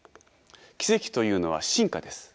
奇跡というのは進化です。